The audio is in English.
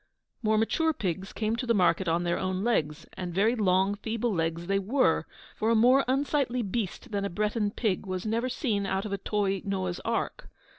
More mature pigs came to market on their own legs, and very long, feeble legs they were, for a more unsightly beast than a Breton pig was never seen out of a toy Noah's ark.